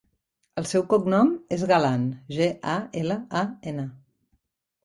El seu cognom és Galan: ge, a, ela, a, ena.